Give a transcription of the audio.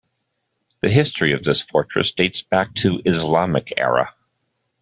The history of this fortress dates back to Islamic era.